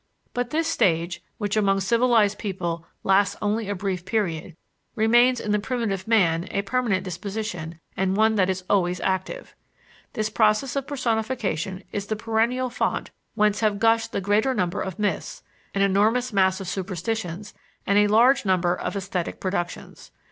But this stage, which among civilized people lasts only a brief period, remains in the primitive man a permanent disposition and one that is always active. This process of personification is the perennial fount whence have gushed the greater number of myths, an enormous mass of superstitions, and a large number of esthetic productions.